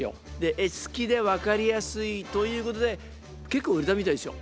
絵付きで分かりやすいということで結構売れたみたいですよ。